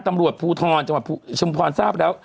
ตำรวจภูทรจังหวัดชุมพรทราบแล้ว